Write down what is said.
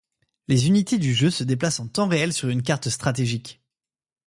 Les unités du jeu se déplacent en temps réel sur une carte stratégique.